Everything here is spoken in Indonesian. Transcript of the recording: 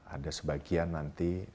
ada sebagian nanti